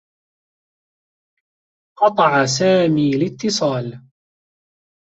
قطع سامي الاتّصال.